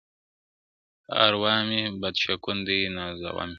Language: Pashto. پر اروا مي بد شګون دی نازوه مي -